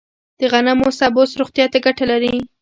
د غنمو سبوس روغتیا ته ګټه لري.